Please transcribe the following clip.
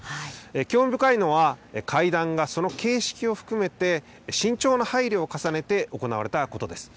興味深いのは、会談がその形式を含めて、慎重な配慮を重ねて行われたことです。